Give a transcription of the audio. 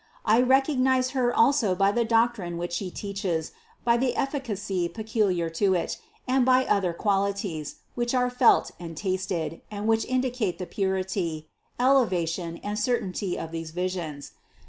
I recognize Her also by the doctrine which She teaches, by the ef ficacy peculiar to it, and by other qualities, which are felt and tasted and which indicate the purity, elevation and certainty of these visions.